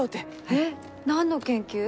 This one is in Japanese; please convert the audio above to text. えっ何の研究？